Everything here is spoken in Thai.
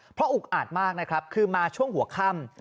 เพราะอุกอาจมากนะครับคือมาช่วงหัวค่ำ